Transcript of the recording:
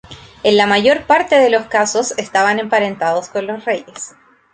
En la mayor parte de los casos estaban emparentados con los reyes.